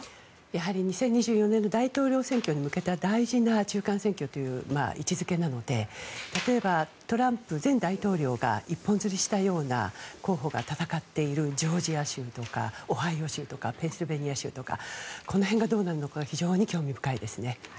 やはり２０２４年の大統領選挙に向けた大事な中間選挙という位置付けなので例えばトランプ前大統領が一本釣りしたような候補が戦っているジョージア州とかオハイオ州とかペンシルベニア州とかこの辺がどうなるのか非常に興味深いですね。